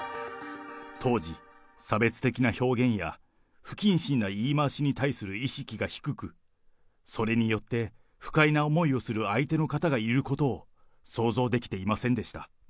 当時、差別的な表現や不謹慎な言い回しに対する意識が低く、それによって不快な思いをする相手の方がいることを想像できていませんでした。